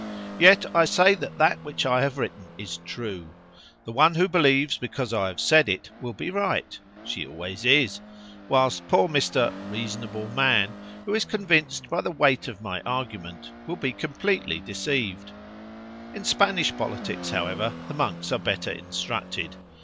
Yet I say that that which I have written is true—the one who believes because I have said it will be right (she always is), whilst poor Mr. "reasonable man," who is convinced by the weight of my argument, will be completely deceived. In Spanish politics, however, the monks are better instructed.